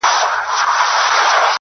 • او یا منفی نظر ورکړي -